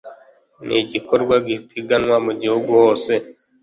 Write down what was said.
N’ igikorwa giteganwa mu gihugu hose